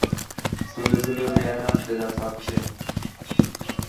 সুন্দর সুন্দর মেয়েরা নাচতে চাচ্ছে।